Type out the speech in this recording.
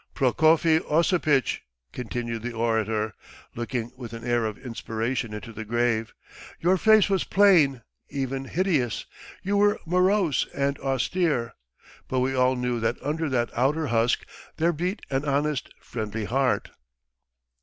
"Prokofy Osipitch," continued the orator, looking with an air of inspiration into the grave, "your face was plain, even hideous, you were morose and austere, but we all know that under that outer husk there beat an honest, friendly heart!"